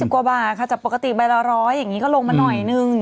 กว่าบาทค่ะจากปกติใบละ๑๐๐อย่างนี้ก็ลงมาหน่อยนึง